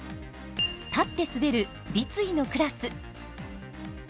立って滑る、立位のクラス。